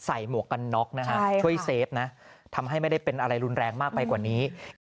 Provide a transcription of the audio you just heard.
หมวกกันน็อกนะฮะช่วยเซฟนะทำให้ไม่ได้เป็นอะไรรุนแรงมากไปกว่านี้